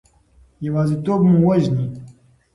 یوازیتوب مو وژني.